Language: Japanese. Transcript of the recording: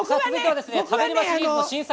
「食べればシリーズ」の新作